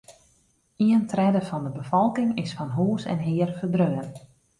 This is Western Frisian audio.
Ien tredde fan de befolking is fan hûs en hear ferdreaun.